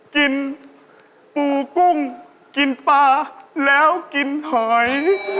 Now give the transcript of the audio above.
กินปูกุ้งกินปลาแล้วกินหอย